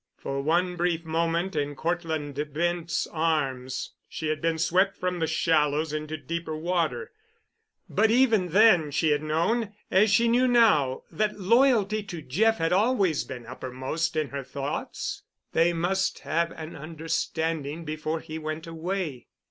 For one brief moment in Cortland Bent's arms she had been swept from the shallows into deeper water, but even then she had known, as she knew now, that loyalty to Jeff had always been uppermost in her thoughts. They must have an understanding before he went away.